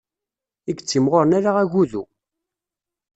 I yettimɣuṛen ala agudu.